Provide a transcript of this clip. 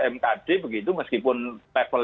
mkd begitu meskipun level